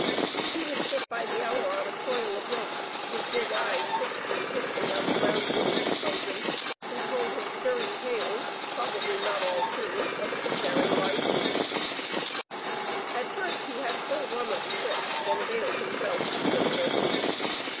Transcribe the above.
He would sit by the hour on a coil of ropes, his big eyes fixed intently on the brown visaged bos'n, who told Digitized by Google 24^ THE FA TE OF FENELLA. him stirring tales (probably not all true) of sea faring life. At first he had full run of the ship, and availed himself of the privilege.